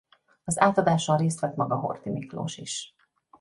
Az átadáson részt vett maga Horthy Miklós is.